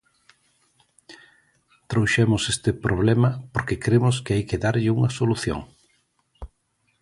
Trouxemos este problema porque cremos que hai que darlle unha solución.